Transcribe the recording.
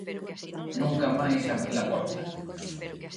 Nunca máis abri-la porta.